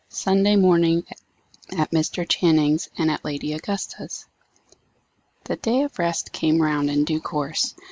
SUNDAY MORNING AT MR. CHANNING'S, AND AT LADY AUGUSTA'S. The day of rest came round in due course.